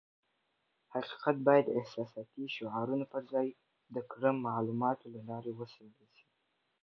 حقیقت بايد د احساساتي شعارونو پر ځای د کره معلوماتو له لارې وڅېړل شي.